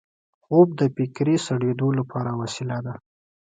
خوب د فکري سړېدو لپاره وسیله ده